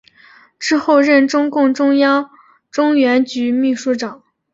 之后任中共中央中原局秘书长。